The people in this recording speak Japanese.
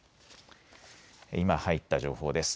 今入った情報です。